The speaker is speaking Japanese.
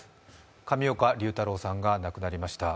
上岡龍太郎さんが亡くなりました。